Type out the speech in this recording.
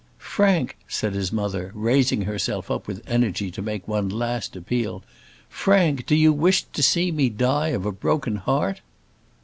"Frank," said his mother, raising herself up with energy to make one last appeal. "Frank, do you wish to see me die of a broken heart?"